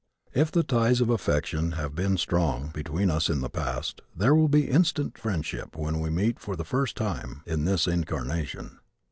If the ties of affection have been strong between us in the past there will be instant friendship when we meet for the first time in this incarnation.